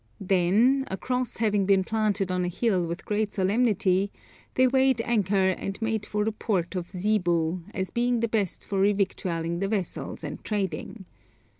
Then a cross having been planted on a hill with great solemnity, they weighed anchor and made for the port of Zebu, as being the best for revictualling the vessels and trading.